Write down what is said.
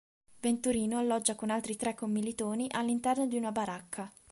Venturino alloggia con altri tre commilitoni all'interno di una baracca.